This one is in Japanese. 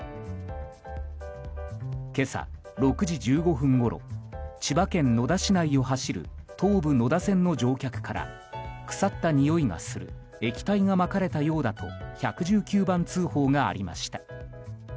今朝、６時１５分ごろ千葉県野田市内を走る東武野田線の乗客から腐ったにおいがする液体がまかれたようだと１１９番通報がありました。